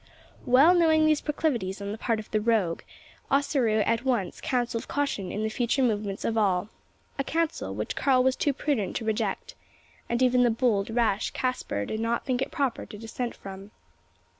Well knowing these proclivities on the part of the rogue, Ossaroo at once counselled caution in the future movements of all a counsel which Karl was too prudent to reject; and even the bold, rash Caspar did not think it proper to dissent from.